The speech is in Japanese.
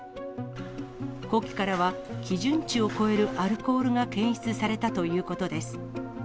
呼気からは基準値を超えるアルコールが検出されたということです。